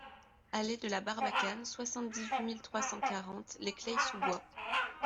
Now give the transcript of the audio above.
Allée de la Barbacane, soixante-dix-huit mille trois cent quarante Les Clayes-sous-Bois